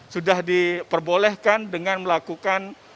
sudah diperbolehkan dengan melakukan